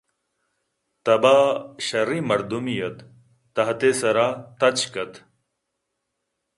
تب ءَ شرّیں مردمے اَت تحت ءِ سر ءَ تچک اَت